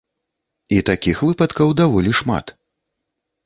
І такіх выпадкаў даволі шмат.